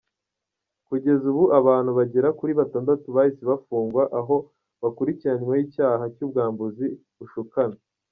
Kugeza ubu abantu bagera kuri Batandatu bahise bafungwa aho bakurikiranyweho icyaha cy’ubwambuzi bushukana.